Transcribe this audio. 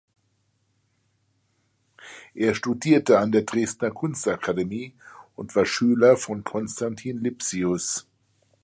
Er studierte an der Dresdner Kunstakademie und war Schüler von Constantin Lipsius.